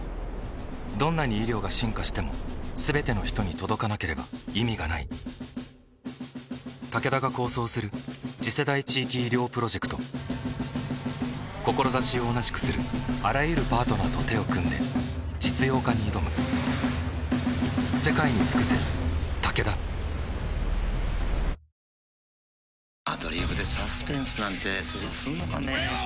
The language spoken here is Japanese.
どんなに医療が進化しても全ての人に届かなければ意味がないタケダが構想する次世代地域医療プロジェクト志を同じくするあらゆるパートナーと手を組んで実用化に挑む下の子も ＫＵＭＯＮ を始めた